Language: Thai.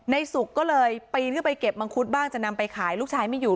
สุกก็เลยปีนขึ้นไปเก็บมังคุดบ้างจะนำไปขายลูกชายไม่อยู่